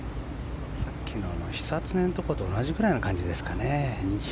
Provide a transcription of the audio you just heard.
さっきの久常のところと同じくらいのところですかね。